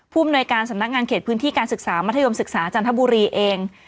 ผู้มนวยการสนักงานข่ายที่ผืนที่การศึกษามาธโยมศึกษาจันทบุรีเอง